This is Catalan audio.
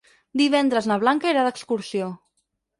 Divendres na Blanca irà d'excursió.